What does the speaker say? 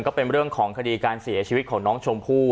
ก็เป็นเรื่องของคดีการเสียชีวิตของน้องชมพู่